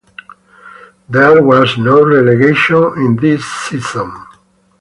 There was no relegation in this season.